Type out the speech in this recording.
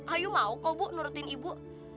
ayo mau kok bu nurutin ibu